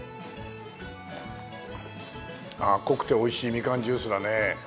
ああ濃くて美味しいみかんジュースだね。